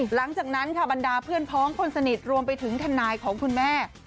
หลังจากนั้นค่ะบรรดาเพื่อนพ้องคนสนิทรวมไปถึงทนายของคุณแม่